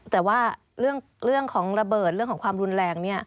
แต่ว่าเรื่องของระเบิดเรื่องของความรุนแรง